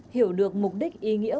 hiểu được mục đích ý nghĩa